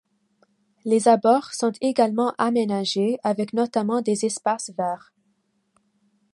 Les abords sont également aménagés avec notamment des espaces verts.